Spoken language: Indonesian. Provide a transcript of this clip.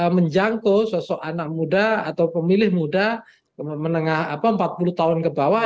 menjangkau sosok anak muda atau pemilih muda menengah empat puluh tahun ke bawah